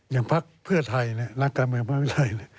อย่างภาคเพื่อไทยนักการเมืองภาคไทย